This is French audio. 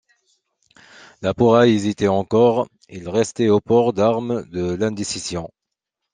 La Pouraille hésitait encore, il restait au port d’armes de l’indécision.